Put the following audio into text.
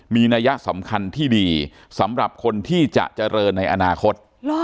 มีนัยสำคัญที่ดีสำหรับคนที่จะเจริญในอนาคต